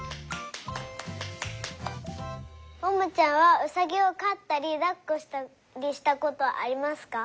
ももちゃんはうさぎをかったりだっこしたりしたことありますか？